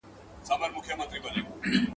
• غم ډک کور ته ورلوېږي.